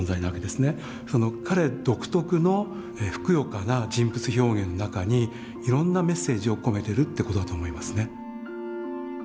その彼独特のふくよかな人物表現の中にいろんなメッセージを込めてるってことだと思いますね。